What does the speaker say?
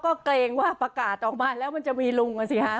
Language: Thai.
ก็เกรงว่าประกาศออกมาแล้วมันจะมีลุงกันสิฮะ